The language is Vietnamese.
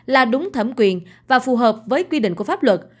là đúng thẩm quyền và phù hợp với quy định của pháp luật